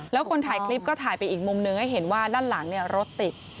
แล้วคนถ่ายคลิปก็ถ่ายไปอีกมุมหนึ่งให้เห็นว่าด้านหลังรถติด